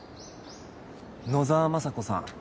野沢雅子さん